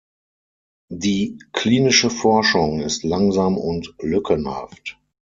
Die klinische Forschung ist langsam und lückenhaft.